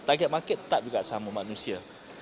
target market tetap juga sama manusia